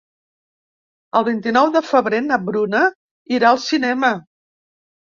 El vint-i-nou de febrer na Bruna irà al cinema.